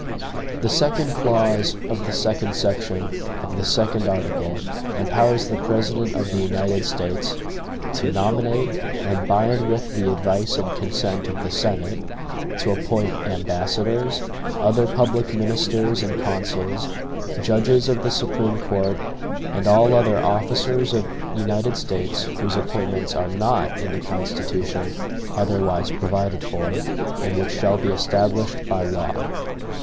The second clause of the second section of the second article empowers the President of the United States "to nominate, and by and with the advice and consent of the Senate, to appoint ambassadors, other public ministers and consuls, judges of the Supreme Court, and all other OFFICERS of United States whose appointments are NOT in the Constitution OTHERWISE PROVIDED FOR, and WHICH SHALL BE ESTABLISHED BY LAW."